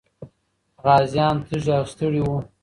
غازيان تږي او ستړي وو.